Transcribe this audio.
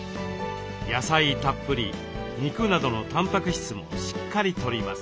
野菜たっぷり肉などのタンパク質もしっかりとります。